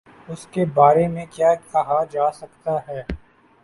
اس کے بارے میں کیا کہا جا سکتا ہے۔